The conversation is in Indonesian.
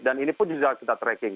dan ini pun juga kita tracking